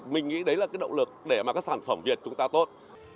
mình nghĩ đấy là cái động lực để mà các sản phẩm việt chúng ta tốt